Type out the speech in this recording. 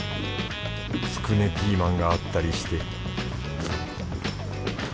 つくねピーマンがあったりして